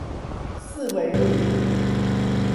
四維路